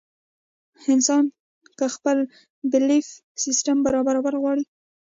انسان کۀ خپل بيليف سسټم برابرول غواړي